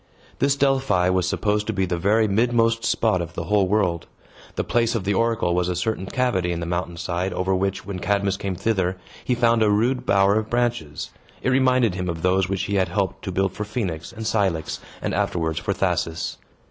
This Delphi was supposed to be the very midmost spot of the whole world. The place of the oracle was a certain cavity in the mountain side, over which, when Cadmus came thither, he found a rude bower of branches. It reminded him of those which he had helped to build for Phoenix and Cilix, and afterwards for Thasus.